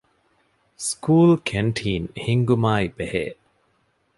ސްކޫލް ކެންޓީން ހިންގުމާއި ބެހޭ